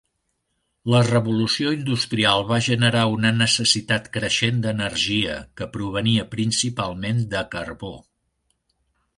La Revolució industrial va generar una necessitat creixent d'energia, que provenia principalment de carbó.